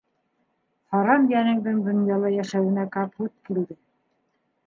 - Харам йәнеңдең донъяла йәшәүенә капут килде.